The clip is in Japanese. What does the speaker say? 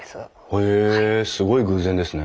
へえすごい偶然ですね。